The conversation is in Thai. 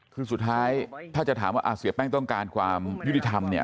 คือสุดท้ายถ้าจะถามว่าเสียแป้งต้องการความยุติธรรมเนี่ย